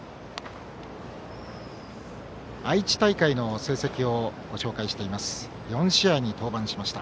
愛知大会の成績をご紹介しています。